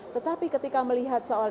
tetapi ketika melihat soal